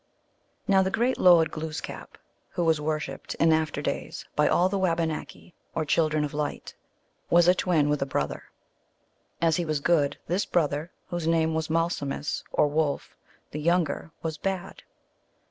Now the great lord Glooskap, who was worshiped in after days by all the Wabanaki, or children of light, was a twin with a brother. As he was good, this brother, whose name was Malsumsis, or Wolf the younger, was bad.